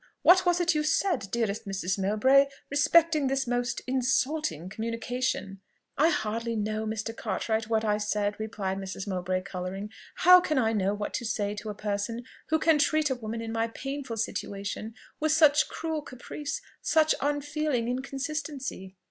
What was it you said, dearest Mrs. Mowbray, respecting this most insulting communication?" "I hardly know, Mr. Cartwright, what I said," replied Mrs. Mowbray, colouring. "How can I know what to say to a person who can treat a woman in my painful situation with such cruel caprice, such unfeeling inconsistency?"